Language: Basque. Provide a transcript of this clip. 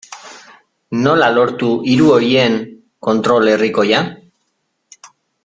Nola lortu hiru horien kontrol herrikoia?